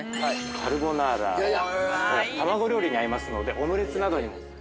カルボナーラ、卵料理に合いますのでオムレツなどにも。